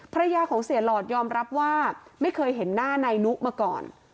ภรรยาของเสียหลอดยอมรับว่าไม่เคยเห็นหน้านายนุมาก่อน